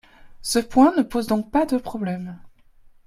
Ce point ne pose donc pas de problème.